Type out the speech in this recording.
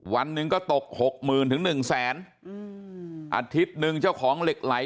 วันหนึ่งก็ตกหกหมื่นถึงหนึ่งแสนอืมอาทิตย์หนึ่งเจ้าของเหล็กไหล